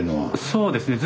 そうですね。